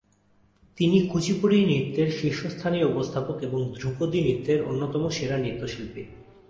তিনি কুচিপুড়ি নৃত্যের শীর্ষস্থানীয় উপস্থাপক এবং ধ্রুপদী নৃত্যের অন্যতম সেরা নৃত্যশিল্পী।